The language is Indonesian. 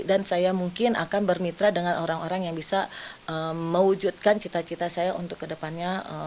dan saya mungkin akan bermitra dengan orang orang yang bisa mewujudkan cita cita saya untuk kedepannya